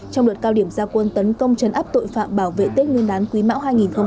trong đợt cao điểm gia quân tấn công chấn áp tội phạm bảo vệ tết nguyên đán quý mão hai nghìn hai mươi bốn